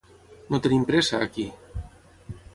No tenim pressa, aquí.